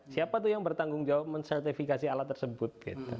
siapa tuh yang bertanggung jawab men sertifikasi alat tersebut